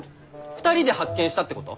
２人で発見したってこと？